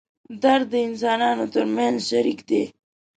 درد د انسانانو تر منځ شریک دی.